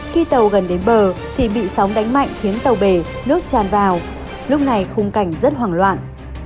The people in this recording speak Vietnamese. khi tàu gần đến bờ thì bị sóng đánh mạnh khiến tàu bể nước tràn vào lúc này khung cảnh rất hoảng loạn